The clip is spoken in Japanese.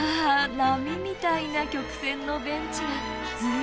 波みたいな曲線のベンチがずっと。